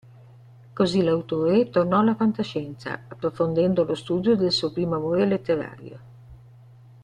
Così l'autore tornò alla fantascienza, approfondendo lo studio del suo primo amore letterario.